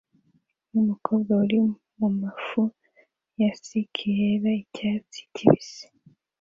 numukobwa uri mumafi na skirt yera & icyatsi kibisi